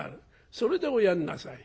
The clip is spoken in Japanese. それでおやんなさい」。